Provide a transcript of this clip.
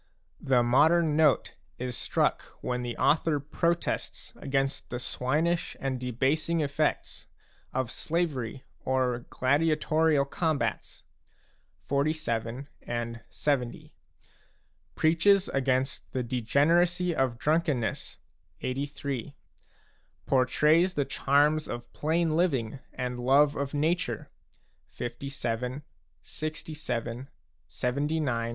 The modern note is struck when the author protests against the swinish and debasing effects of slavery or gladiatorial com bats (XLVII. and LXX.) ; preaches against the degeneracy of drunkenness (LXXXIII.); portrays the charms of plain living and love of nature (LVIL, LXVIL, LXXIX.